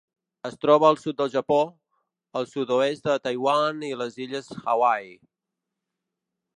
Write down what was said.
Es troba al sud del Japó, el sud-oest de Taiwan i les Illes Hawaii.